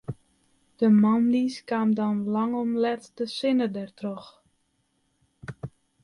De moandeis kaam dan lang om let de sinne dertroch.